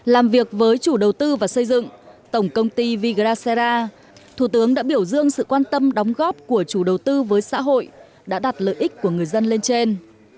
làm việc với chủ đầu tư và xây dựng tổng công ty vigara thủ tướng đã biểu dương sự quan tâm đóng góp của chủ đầu tư với xã hội đã đặt lợi ích của người dân lên trên